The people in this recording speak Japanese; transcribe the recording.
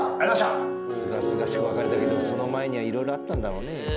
すがすがしく別れたけどその前にはいろいろあったんだろうね。